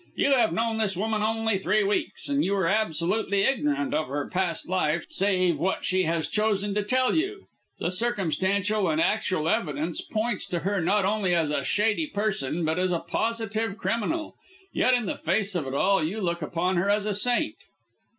"You have known this woman only three weeks, and you are absolutely ignorant of her past life save what she has chosen to tell you. The circumstantial and actual evidence points to her not only as a shady person, but as a positive criminal, yet in the face of it all you look upon her as a saint."